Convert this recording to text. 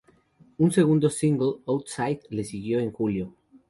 Un segundo single, "Out-Side", le siguió en julio.